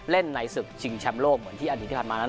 ในศึกชิงแชมป์โลกเหมือนที่อดีตที่ผ่านมานั้น